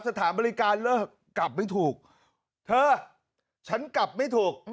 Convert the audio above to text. สถานบริการเลิกกลับไม่ถูกเธอฉันกลับไม่ถูก